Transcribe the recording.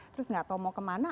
terus gak tau mau kemana